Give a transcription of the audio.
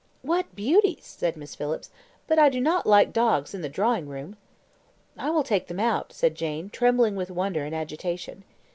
"What beauties!" said Miss Phillips; "but I do not like dogs in the drawing room." "I will take them out," said Jane, trembling with wonder and agitation.